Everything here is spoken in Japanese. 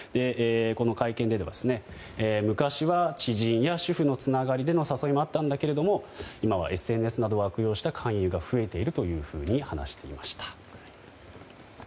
会見では昔は知人や主婦のつながりでの誘いもあったんだけれども今はＳＮＳなどを悪用した勧誘が増えていると話していました。